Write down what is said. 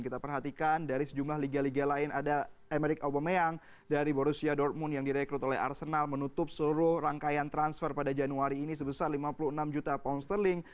kita perhatikan dari sejumlah liga liga lain ada americ aubameyang dari borussia dortmund yang direkrut oleh arsenal menutup seluruh rangkaian transfer pada januari ini sebesar lima puluh enam juta pound sterling